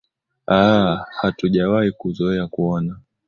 aa hatujawahi kuzoea kuona